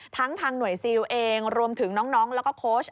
ทั้งทางหน่วยซิลเองรวมถึงน้องแล้วก็โค้ช